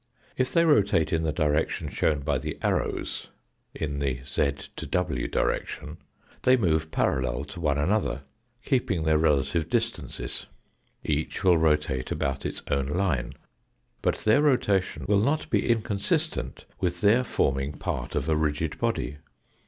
If they rotate in the direction shown by the arrows in the z to w direction they move parallel to one another, keeping their relative distances. Each will rotate about its own line, but their rotation will not be inconsistent with their form ing part of a rigid body.